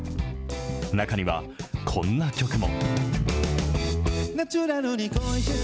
中には、こんな曲も。